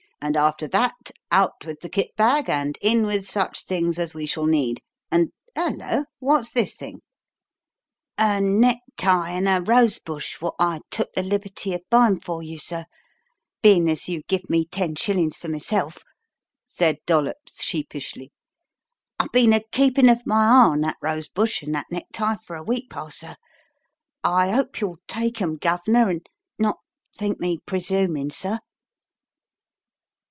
"And, after that, out with the kit bag and in with such things as we shall need; and Hullo! what's this thing?" "A necktie and a rose bush wot I took the liberty of buyin' for you, sir, bein' as you give me ten shillin's for myself," said Dollops sheepishly. "I been a keepin' of my eye on that rose bush and that necktie for a week past, sir. I 'ope you'll take 'em, Gov'nor, and not think me presumin', sir."